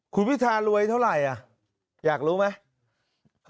คุณพิธารวยเท่าไหร่อยากรู้ไหม